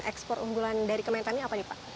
ekspor unggulan dari kementerian pertanian apa nih pak